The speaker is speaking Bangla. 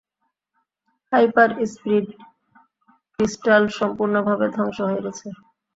হাইপার-স্পিড ক্রিস্টাল সম্পূর্ণভাবে ধ্বংস হয়ে গেছে।